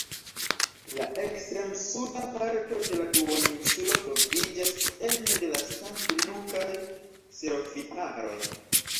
La ekstrem-suda parto de la duoninsulo troviĝas ene de la sankt-lukaj kserofitaroj.